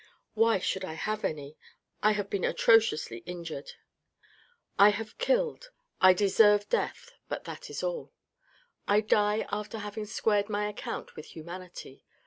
" Why should I have any ? I have been atrociously injured ; I have killed — I deserve death, but that is all. I die after having squared my account with humanity.